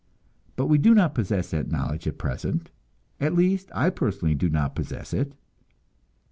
But we do not possess that knowledge at present; at least, I personally do not possess it.